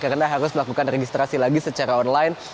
karena harus melakukan registrasi lagi secara online